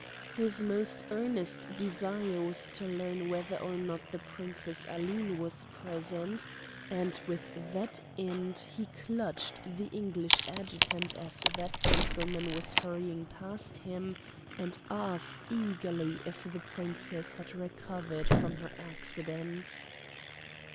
His most earnest desire was to learn whether or not the Princess Aline was present, and with that end he clutched the English adjutant as that gentleman was hurrying past him, and asked eagerly if the Princess had recovered from her accident.